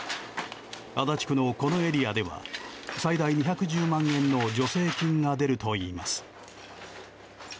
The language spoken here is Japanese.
足立区のこのエリアでは最大２１０万円の助成金が出るといいます。